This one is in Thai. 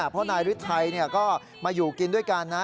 เพราะนายฤทัยก็มาอยู่กินด้วยกันนะ